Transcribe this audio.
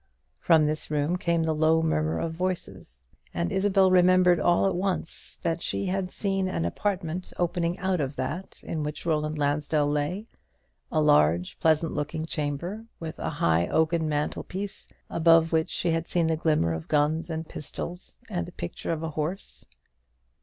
From this room came the low murmur of voices; and Isabel remembered all at once that she had seen an apartment opening out of that in which Roland Lansdell lay a large pleasant looking chamber, with a high oaken mantel piece, above which she had seen the glimmer of guns and pistols, and a picture of a horse.